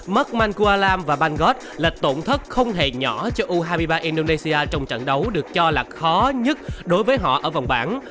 mất mancualam và bang god là tổn thất không hề nhỏ cho u hai mươi ba indonesia trong trận đấu được cho là khó nhất đối với họ ở vòng bảng